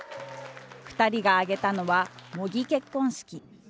２人が挙げたのは模擬結婚式。